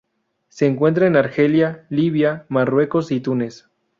Se encuentra en Argelia, Libia, Marruecos y Túnez.